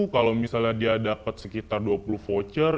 kalau misalnya dia dapat sekitar dua puluh voucher